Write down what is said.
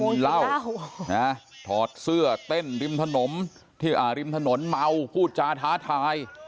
กินเหล้าถอดเสื้อเต้นริมถนมที่อาริมถนนเมาผู้จาท้าทาย